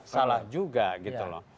salah juga gitu loh